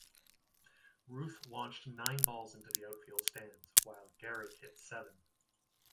Ruth launched nine balls into the outfield stands, while Gehrig hit seven.